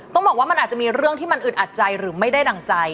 ต้องบอกว่ามันอาจจะมีเรื่องที่มันอึดอัดใจหรือไม่ได้ดั่งใจ